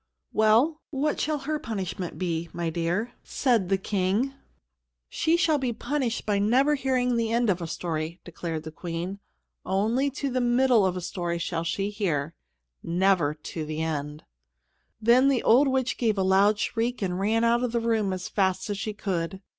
"Well, what shall her punishment be, my dear?" asked the King. "She shall be punished by never hearing the end of a story," declared the Queen. "Only to the middle of a story shall she hear never to the end." Then the old witch gave a loud shriek, and ran out of the room as fast as she could.